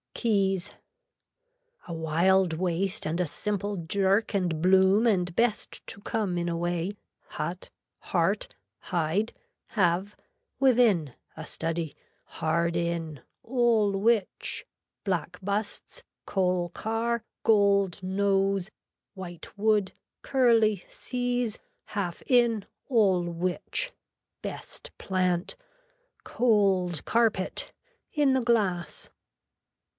KEYS A wild waist and a simple jerk and bloom and best to come in a way, hut, heart, hide, have, within, a study, hard in, all which, black busts, coal car, gold nose, white wood, curly seize, half in, all which, best plant, cold carpet, in the glass.